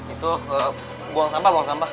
itu buang sampah buang sampah